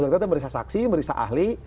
ya itu berisik saksi berisik ahli